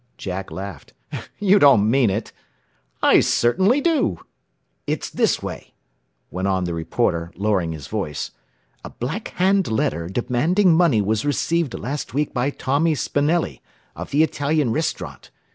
Jack laughed. "You don't mean it." "I certainly do. It's this way," went on the reporter, lowering his voice. "A Black Hand letter demanding money was received last week by Tommy Spanelli, of the Italian restaurant.